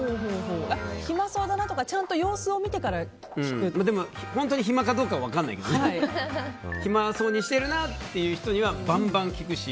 暇そうだなとかちゃんと様子を見てから本当に暇かどうかは分からないけど暇そうにしているなという人にはバンバン聞くし。